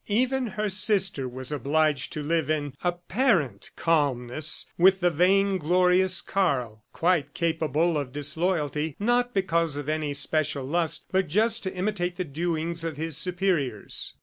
... Even her sister was obliged to live in apparent calmness with the vainglorious Karl, quite capable of disloyalty not because of any special lust, but just to imitate the doings of his superiors.